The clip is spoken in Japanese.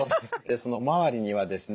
その周りにはですね